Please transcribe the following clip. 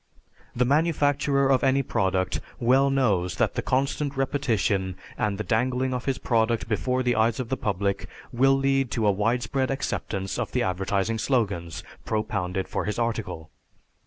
The manufacturer of any product well knows that constant repetition and the dangling of his product before the eyes of the public will lead to a widespread acceptance of the advertising slogans propounded for his article.